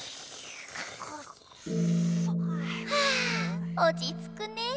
はあおちつくねえ。